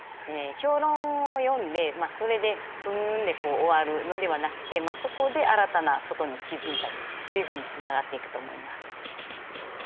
評論を読んでそれで「ふん」で終わるのではなくてそこで新たなことに気付いたりというふうにつながっていくと思います。